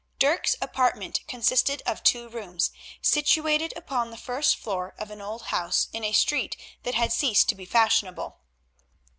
Dirk's apartment consisted of two rooms situated upon the first floor of an old house in a street that had ceased to be fashionable.